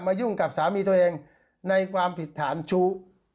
ยุ่งกับสามีตัวเองในความผิดฐานชู้